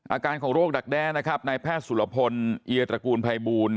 อาการของโรคดักแด้นะครับนายแพทย์สุรพลเอียตระกูลภัยบูล